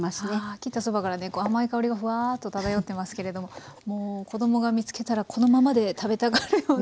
切ったそばからねこう甘い香りがふわっと漂っていますけれども。も子供が見つけたらこのままで食べたがるような。